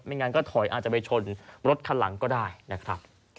งั้นก็ถอยอาจจะไปชนรถคันหลังก็ได้นะครับ